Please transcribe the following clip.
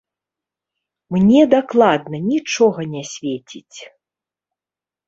Мне дакладна нічога не свеціць!